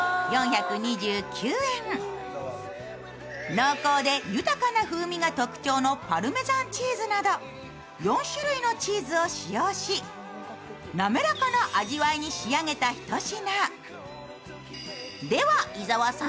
濃厚で豊かな風味が特徴のパルメザンチーズなど４種類のチーズを使用しなめらかな味わいに仕上げたひと品。